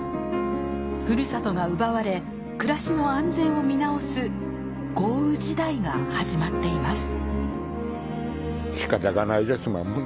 ふるさとが奪われ暮らしの安全を見直す豪雨時代が始まっています